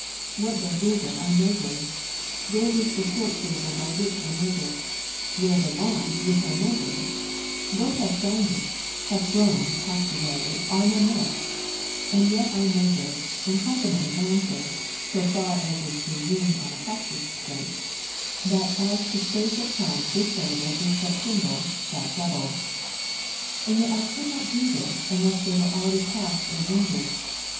What then is it I measure ? where is the short syllable by which I measure ? where the long which I measure ? Both have Time, the impression of things on the mind. 245 sounded, have flown, passed away, are no more ; and yet I measure, and confidently answer (so far as is presumed on a practised sense) that as to space of time this syllable is but single, that double. And yet I could not do this, unless they ,1' were already past and ended.